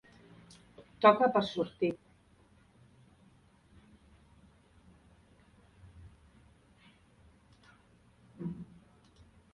Toca per sortir.